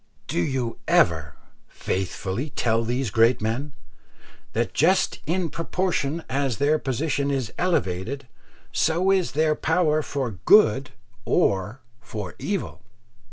Do you ever faithfully tell these great men, that just in proportion as their position is elevated, so is their power for good or for evil?